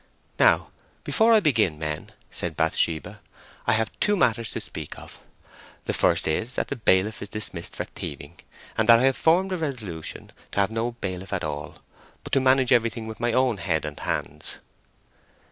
"Now before I begin, men," said Bathsheba, "I have two matters to speak of. The first is that the bailiff is dismissed for thieving, and that I have formed a resolution to have no bailiff at all, but to manage everything with my own head and hands."